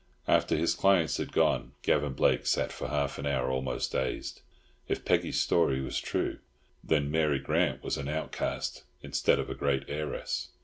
After his clients had gone, Gavan Blake sat for half an hour almost dazed. If Peggy's story was true, then Mary Grant was an outcast instead of a great heiress.